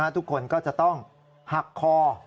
ทุกคนก็จะต้องหักคอ